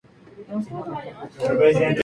Envía señal analógica y digital.